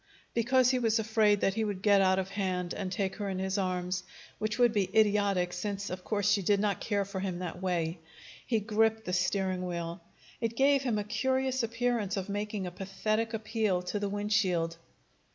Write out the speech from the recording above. Because he was afraid that he would get out of hand and take her in his arms, which would be idiotic, since, of course, she did not care for him that way, he gripped the steering wheel. It gave him a curious appearance of making a pathetic appeal to the wind shield.